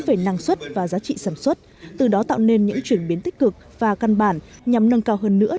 về năng suất và giá trị sản xuất từ đó tạo nên những chuyển biến tích cực và căn bản nhằm nâng cao hơn nữa